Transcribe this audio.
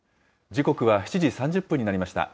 時刻は７時３０分になりました。